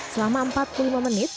selama empat puluh lima menit